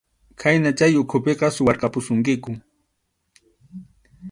Khaynan chay ukhupiqa suwarqapusunkiku.